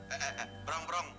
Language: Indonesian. eh eh eh perong perong